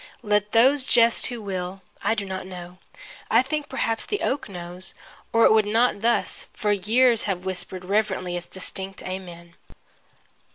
Let those jest who will. I do not know. I think perhaps the oak knows or it would not thus for years have whispered reverently its distinct Amen!